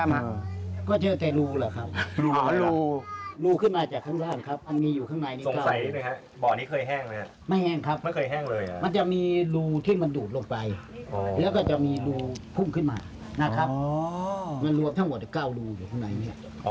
ไม่แห้งครับมันจะมีรูที่มันดูดลงไปแล้วก็จะมีรูพุ่งขึ้นมานะครับมันรวมทั้งหมด๙รูอยู่ข้างในนี้